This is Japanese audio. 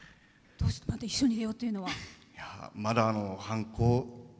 一緒に出ようというのは？